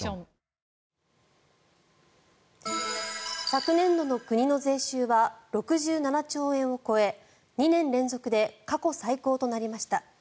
昨年度の国の税収は６７兆円を超え２年連続で過去最高となりました。